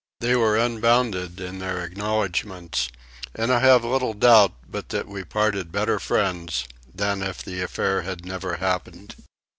They were unbounded in their acknowledgments and I have little doubt but that we parted better friends than if the affair had never happened.